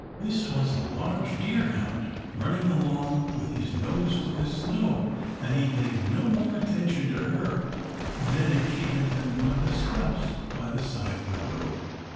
This was a large deerhound running along with his nose to the snow, and he paid no more attention to her than if she had been one of the stumps by the side of the road.